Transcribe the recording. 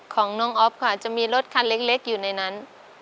ของน้องอ๊อฟค่ะจะมีรถคันเล็กอยู่ในนั้น